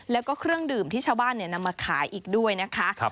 แล้วก็เครื่องดื่มที่ชาวบ้านนำมาขายอีกด้วยนะคะ